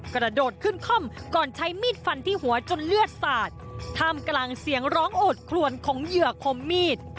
กระโดดขึ้นค่อมก่อนใช้มีดฟันที่หัวจนเลือดสาดท่ามกลางเสียงร้องโอดคลวนของเหยื่อคมมีด